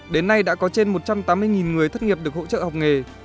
đến nay đã có trên một trăm tám mươi người thất nghiệp được hỗ trợ học nghề